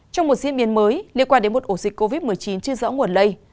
trong một diễn biến mới liên quan đến một ổ dịch covid một mươi chín chưa rõ nguồn lây